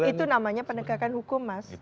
itu namanya penegakan hukum mas